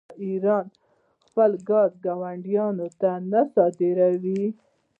آیا ایران خپل ګاز ګاونډیانو ته نه صادروي؟